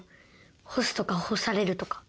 干すとか干されるとか。